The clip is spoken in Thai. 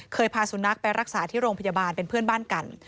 พาสุนัขไปรักษาที่โรงพยาบาลเป็นเพื่อนบ้านกัน